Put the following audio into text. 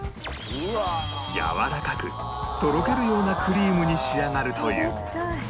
やわらかくとろけるようなクリームに仕上がるという